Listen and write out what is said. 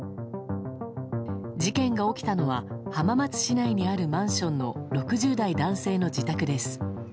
事件が起きたのは浜松市内にあるマンションの６０代男性の自宅です。